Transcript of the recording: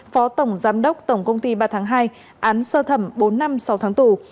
phó tổng giám đốc tổng công ty ba tháng hai án sơ thẩm bốn năm sáu tháng tù